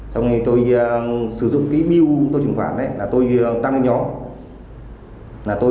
trong khi tôi sử dụng cái bill tôi truyền khoản tôi tăng cái nhóm